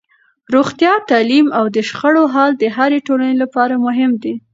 روغتیا، تعلیم او د شخړو حل د هرې ټولنې لپاره مهم دي.